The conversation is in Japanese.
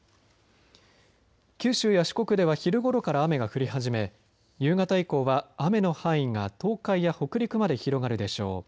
九州や四国では昼ごろから雨が降り始め夕方以降は雨の範囲が東海や北陸まで広がるでしょう。